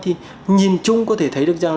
thì nhìn chung có thể thấy được rằng